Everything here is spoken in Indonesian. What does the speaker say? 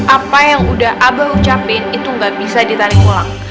apa yang udah abah ucapin itu nggak bisa ditarik ulang